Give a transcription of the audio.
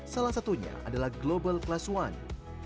salah satunya adalah global class one